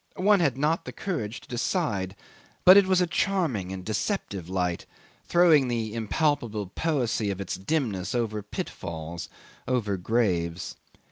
One had not the courage to decide; but it was a charming and deceptive light, throwing the impalpable poesy of its dimness over pitfalls over graves.